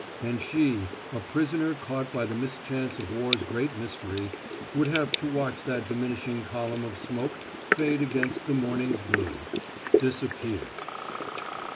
And she, a prisoner caught by the mischance of war's great mystery, would have to watch that diminishing column of smoke fade against the morning's blue disappear.